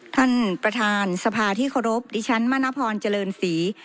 ท่านประธานสภาที่เคารพดิฉันมณพรเจริญศรี